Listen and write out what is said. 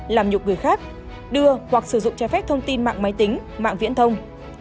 làm nhục người khác đưa hoặc sử dụng trái phép thông tin mạng máy tính mạng viễn thông